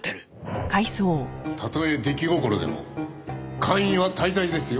たとえ出来心でも姦淫は大罪ですよ。